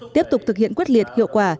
tiếp tục thực hiện quyết liệt hiệu quả